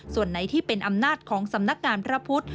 ส่วนไหนที่เป็นอำนาจของสำนักงานพระพุทธ